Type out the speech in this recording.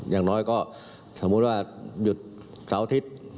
อย่างน้อยก็สมมุติว่าหยุดเสาร์อาทิตย์